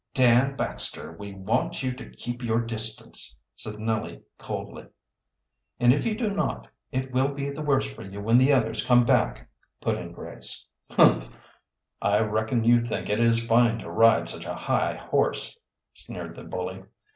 "Dan Baxter, we want you to keep your distance," said Nellie coldly. "And if you do not, it will be the worse for you when the others come back," put in Grace. "Humph! I reckon you think it is fine to ride such a high horse," sneered the bully.